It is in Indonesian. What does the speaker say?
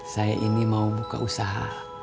saya ini mau buka usaha